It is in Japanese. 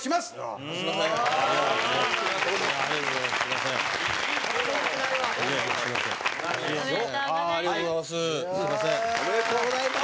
蛍原：おめでとうございます。